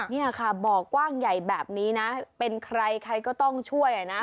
นี่ค่ะบ่อกว้างใหญ่แบบนี้นะเป็นใครใครก็ต้องช่วยนะ